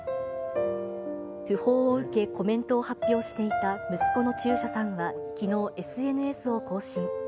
訃報を受けコメントを発表していた息子の中車さんはきのう、ＳＮＳを更新。